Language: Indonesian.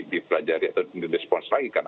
dipelajari atau di response lagi karena